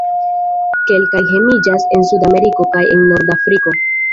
Kelkaj hejmiĝas en Sudameriko kaj en Nordafriko.